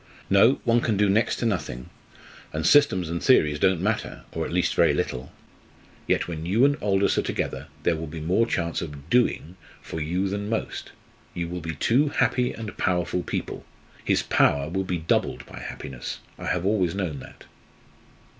"No; one can do next to nothing. And systems and theories don't matter, or, at least, very little. Yet, when you and Aldous are together, there will be more chance of doing, for you than for most. You will be two happy and powerful people! His power will be doubled by happiness; I have always known that."